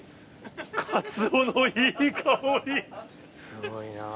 すごいな。